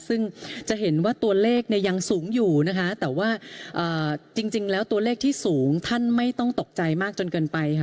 ซึ่งจะเห็นว่าตัวเลขเนี่ยยังสูงอยู่นะคะแต่ว่าจริงแล้วตัวเลขที่สูงท่านไม่ต้องตกใจมากจนเกินไปค่ะ